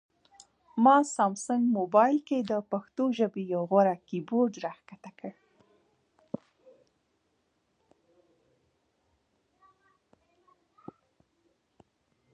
ما سامسنګ مبایل کې د پښتو ژبې یو غوره کیبورډ راښکته کړ